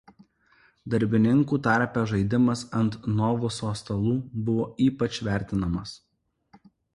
Darbininkų tarpe žaidimas ant novuso stalų buvo ypač vertinamas.